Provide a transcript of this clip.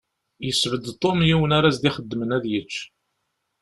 Yesbedd Tom yiwen ara s-d-ixeddmen ad yečč.